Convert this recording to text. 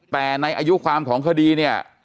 แต่ในอายุความของคดีเนี่ย